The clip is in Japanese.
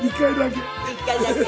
一回だけ。